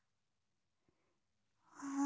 うん？